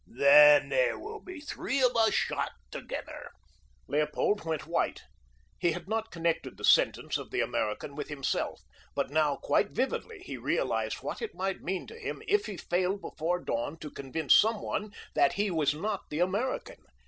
"Then there will be three of us shot together." Leopold went white. He had not connected the sentence of the American with himself; but now, quite vividly, he realized what it might mean to him if he failed before dawn to convince someone that he was not the American.